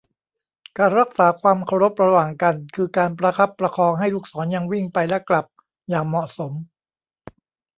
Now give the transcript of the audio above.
การรักษาความเคารพระหว่างกัน คือการประคับประคองให้ลูกศรยังวิ่งไปและกลับอย่างเหมาะสม